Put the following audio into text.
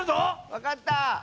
わかった！